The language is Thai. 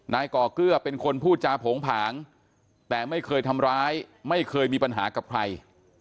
ก่อเกื้อเป็นคนพูดจาโผงผางแต่ไม่เคยทำร้ายไม่เคยมีปัญหากับใคร